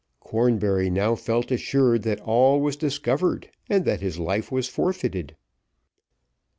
Cornbury now felt assured that all was discovered, and that his life was forfeited.